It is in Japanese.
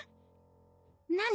何？